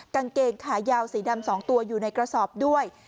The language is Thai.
กางเกงขายาวสีดำ๒ตัวอยู่ในกระสอบด้วย